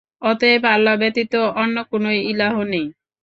অতএব, আল্লাহ ব্যতীত অন্য কোন ইলাহ নেই।